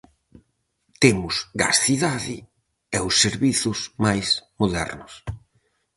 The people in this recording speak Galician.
Temos gas cidade e os servizos máis modernos.